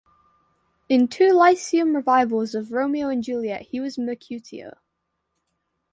In two Lyceum revivals of "Romeo and Juliet" he was Mercutio.